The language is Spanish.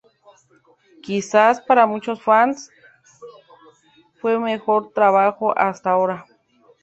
Quizás, para muchos fanes, fue su mejor trabajo hasta ahora.